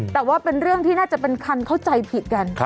แต่ว่าเป็นเรื่องที่น่าจะเป็นคันเข้าใจผิดกัน